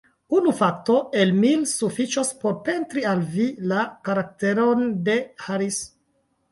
Unu fakto, el mil, sufiĉos por pentri al vi la karakteron de Harris.